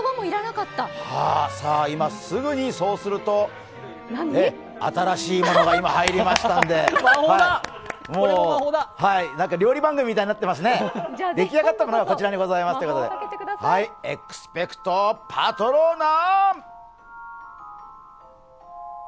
さあすぐに、そうすると新しいものが今、入りましたんでなんか料理番組みたいになってますね、出来上がったものがこちらということでエクスペクト・パトローナム！